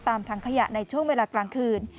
ถังขยะในช่วงเวลากลางคืน